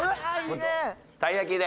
たい焼きで。